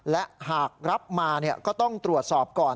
และหากรับมาก็ต้องตรวจสอบก่อน